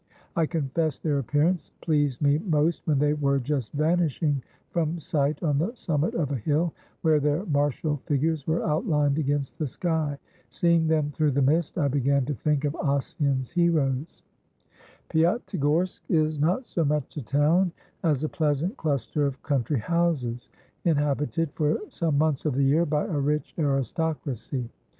I confess their appearance pleased me most when they were just vanishing from sight on the summit of a hill, where their martial figures were outlined against the sky. Seeing them through the mist, I began to think of Ossian's heroes." Piatigorsk is not so much a town as a pleasant cluster of country houses, inhabited for some months of the year by a rich aristocracy.